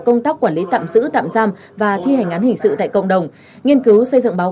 công tác quản lý tạm giữ tạm giam và thi hành án hình sự tại cộng đồng nghiên cứu xây dựng báo